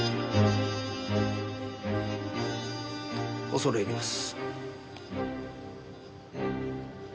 恐れ入ります。